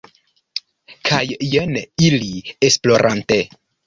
Kaj jen ili, esplorante...